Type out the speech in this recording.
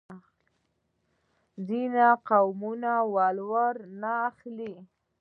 ځینې قومونه ولور نه اخلي.